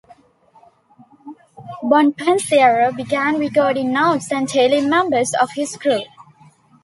Bonpensiero began recording notes and tailing members of his crew.